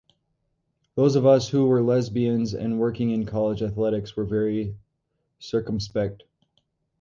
Those of us who were lesbians and working in college athletics were very circumspect.